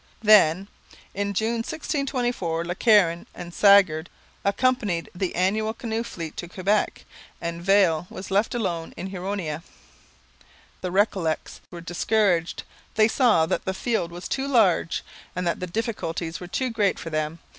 '] Then, an June 1624, Le Caron and Sagard accompanied the annual canoe fleet to Quebec, and Viel was left alone in Huronia. The Recollets were discouraged. They saw that the field was too large and that the difficulties were too great for them.